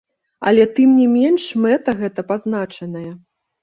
Але тым не менш мэта гэтая пазначаная.